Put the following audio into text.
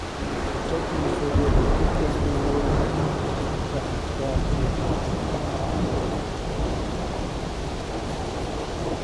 چټک مشورې دقیق تصمیم نیولو ته اړتیا لري.